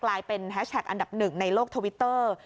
กลายเป็นแฮชแท็กอันดับหนึ่งในโลกทวิตเตอร์